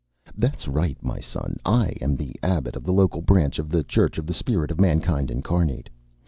_) "That's right, my son, I am the abbot of the local branch of the Church of the Spirit of Mankind Incarnate.